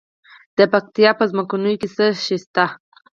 د پکتیا په څمکنیو کې څه شی شته؟